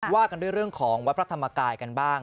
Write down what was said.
ว่ากันด้วยเรื่องของวัดพระธรรมกายกันบ้าง